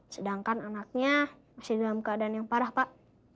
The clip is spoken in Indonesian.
sedangkan anaknya masih dalam keadaan yang parah pak